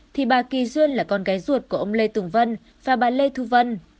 thì bà kỳ duyên là con gái ruột của ông lê tùng vân và bà lê thu vân